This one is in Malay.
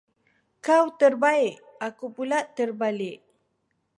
Kau terbaik! aku pulak terbalik.